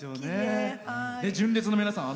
純烈の皆さん